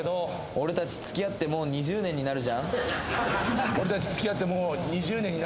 俺たち付き合ってもう２０年になるじゃん？